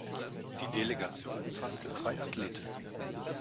Die Delegation umfasste zwei Athleten.